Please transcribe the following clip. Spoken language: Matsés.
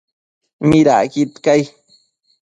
¿midacquid cai ?